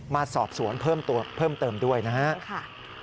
มาสอบสวนเพิ่มเติมด้วยนะครับ